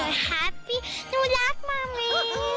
แม่หนูรักแม่นี่